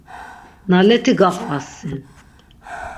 Naleti gaqvas sin!